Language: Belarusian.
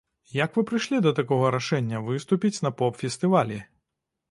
Як вы прыйшлі да такога рашэння, выступіць на поп-фестывалі?